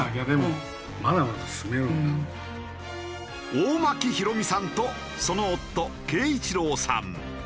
大巻広美さんとその夫恵一郎さん。